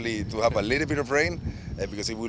saya akan suka sebenarnya untuk memiliki sedikit hujan